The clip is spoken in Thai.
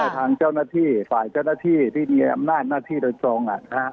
ทางเจ้าหน้าที่ฝ่ายเจ้าหน้าที่ที่มีอำนาจหน้าที่โดยตรง